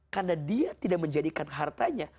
karena dia tidak menjadikan hartanya